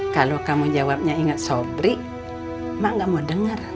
kalau kamu jawabnya ingat sobri mak gak mau dengar